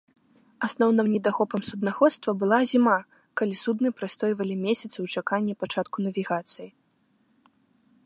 Асноўным недахопам суднаходства была зіма, калі судны прастойвалі месяцы ў чаканні пачатку навігацыі.